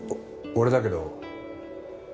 俺だけど。